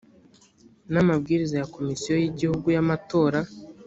n’amabwiriza ya komisiyo y’igihugu y’amatora